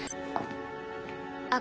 あっ。